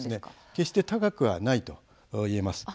決して高くはないといえます。